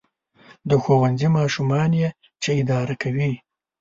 • د ښوونځي ماشومان یې چې اداره کوي.